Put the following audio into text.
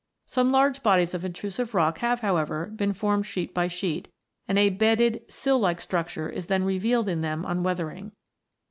Some large bodies of intrusive rock have, however, been formed sheet by sheet, and a bedded sill like structure is then revealed in them on weathering.